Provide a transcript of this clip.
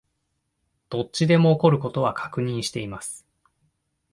どっちでも起こる事は確認しています